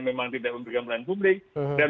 memang tidak memberikan pelayanan publik dan